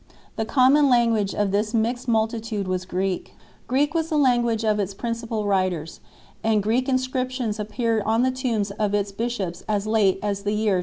The common language of this mixed multitude was Greek. Greek was the language of its principal writers, and Greek inscriptions appear on the tombs of its bishops as late as the year 275 6